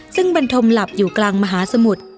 ซึ่งบรรทมหลับอยู่กลางมหาสมุทร